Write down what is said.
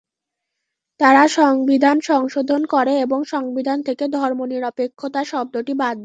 তারা সংবিধান সংশোধন করে এবং সংবিধান থেকে ধর্মনিরপেক্ষতা শব্দটি বাদ দেয়।